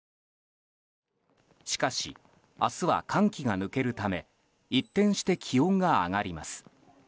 しかし、明日は寒気が抜けるため一転して気温が上がります。